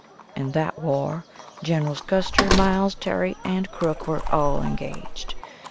In that war Generals Custer, Miles, Terry and Crook were all engaged.